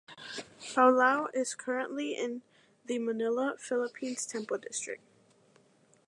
Palau is currently in the Manila Philippines Temple district.